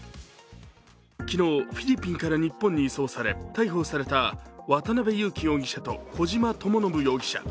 昨日、フィリピンから日本に移送され逮捕された渡辺優樹容疑者と小島智信容疑者。